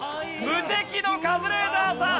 無敵のカズレーザーさん